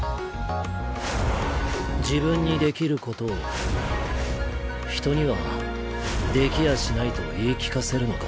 自分にできることを人にはできやしないと言い聞かせるのか？